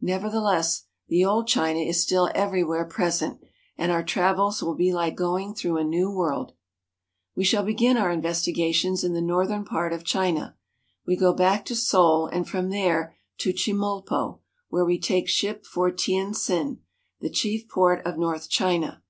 Nevertheless, the old China is still everywhere present, and our travels will be like going through a new world. We shall begin our investigations in the northern part of China. We go back to Seoul and from there to Chemulpo, where we take ship for Tientsin (te en'tsen') the chief port of North China.